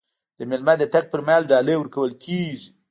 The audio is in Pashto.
د میلمه د تګ پر مهال ډالۍ ورکول کیږي.